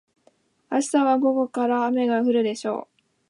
明日は午後から雨が降るでしょう。